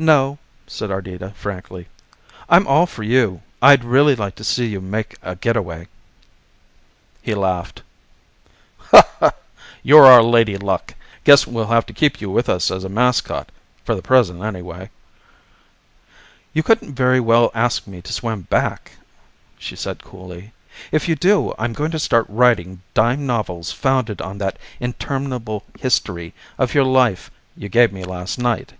"No," said Ardita frankly. "I'm all for you. I'd really like to see you make a get away." He laughed. "You're our Lady Luck. Guess we'll have to keep you with us as a mascot for the present anyway." "You couldn't very well ask me to swim back," she said coolly. "If you do I'm going to start writing dime novels founded on that interminable history of your life you gave me last night."